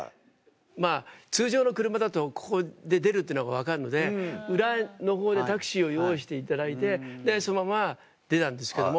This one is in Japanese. まぁ通常の車だとここで出るというのが分かるので裏のほうでタクシーを用意していただいてでそのまま出たんですけども。